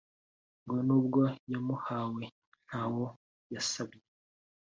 ngo n’ubwo yamuhawe ntawo yasabye